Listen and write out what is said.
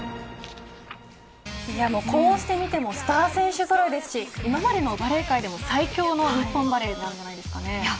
こうして見てもスター選手ぞろいですし今までのバレー界でも最強の日本バレーじゃないんですか。